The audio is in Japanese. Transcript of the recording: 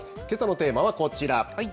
けさのテーマはこちら。